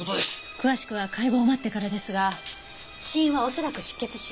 詳しくは解剖を待ってからですが死因はおそらく失血死。